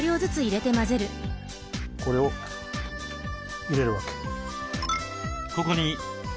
これを入れるわけ。